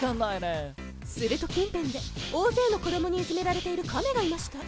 すると近辺で大勢の子供にいじめられている亀がいました